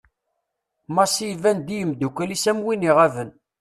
Massi iban-d i umddakel-is am win iɣaben.